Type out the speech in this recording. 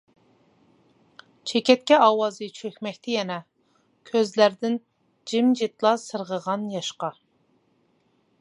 چېكەتكە ئاۋازى چۆكمەكتە يەنە، كۆزلەردىن جىمجىتلا سىرغىغان ياشقا.